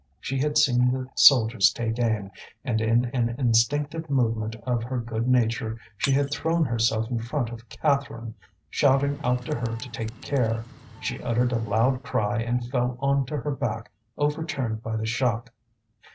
She had seen the soldiers take aim, and in an instinctive movement of her good nature she had thrown herself in front of Catherine, shouting out to her to take care; she uttered a loud cry and fell on to her back overturned by the shock.